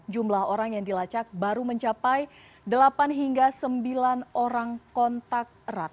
jumlah orang yang dilacak baru mencapai delapan hingga sembilan orang kontak erat